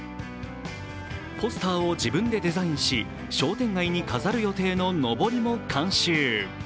ポスターを自分でデザインし商店街に飾る予定ののぼりも監修。